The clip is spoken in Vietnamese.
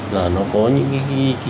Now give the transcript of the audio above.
là nó có những cái